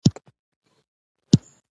احمده! ولاړ شه؛ زړه مه دربوه.